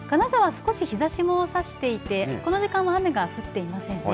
少し日ざしも差していてこの時間は雨が降っていませんね。